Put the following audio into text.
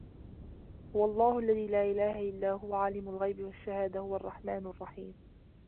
هُوَ اللَّهُ الَّذي لا إِلهَ إِلّا هُوَ عالِمُ الغَيبِ وَالشَّهادَةِ هُوَ الرَّحمنُ الرَّحيمُ